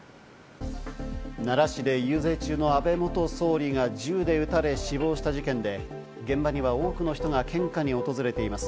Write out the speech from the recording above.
奈良市で遊説中の安倍元総理が銃で撃たれ、死亡した事件で現場には多くの人が献花に訪れています。